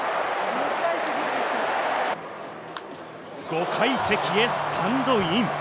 ５階席へスタンドイン。